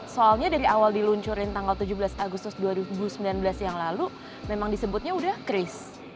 soalnya dari awal diluncurin tanggal tujuh belas agustus dua ribu sembilan belas yang lalu memang disebutnya udah cris